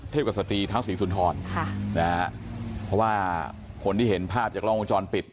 กับสตรีท้าวศรีสุนทรค่ะนะฮะเพราะว่าคนที่เห็นภาพจากล้องวงจรปิด